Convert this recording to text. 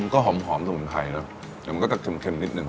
มันก็หอมสมมุมไข่นะแต่มันก็จะเข็มนิดนึง